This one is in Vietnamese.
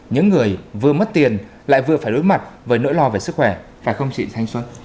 những người vừa mất tiền lại vừa phải đối mặt với nỗi lo về sức khỏe phải không chị thanh xuân